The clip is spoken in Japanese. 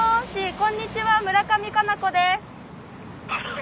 こんにちは村上佳菜子です。